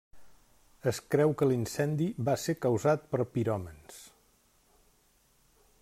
Es creu que l'incendi va ser causat per piròmans.